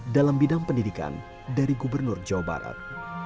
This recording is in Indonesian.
dalam bidang pendidikan dari gubernur jawa barat